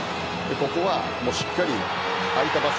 ここはしっかり空いた場所。